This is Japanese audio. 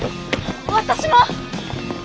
私も！